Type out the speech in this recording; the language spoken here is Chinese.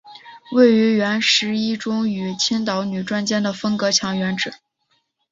位于原十一中与青岛女专间的分隔墙原址。